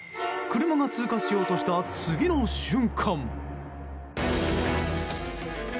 車が通過しようとした次の瞬間。